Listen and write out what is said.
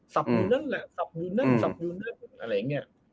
อยู่นั่นแหละสับอยู่นั่นสับอยู่นั่นอะไรอย่างนี้